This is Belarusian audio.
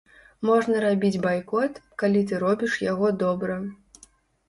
Можна рабіць байкот, калі ты робіш яго добра.